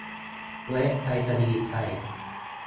เว็บไปรษณีย์ไทย